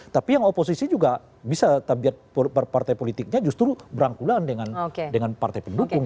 tapi yang oposisi juga bisa tabiat partai politiknya justru berangkulan dengan partai pendukung